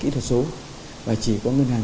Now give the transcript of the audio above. kỹ thuật số và chỉ có ngân hàng